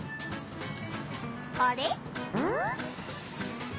あれ？